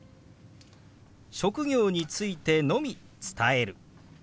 職業についてのみ伝える。